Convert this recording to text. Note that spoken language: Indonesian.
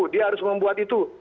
dia harus membuat itu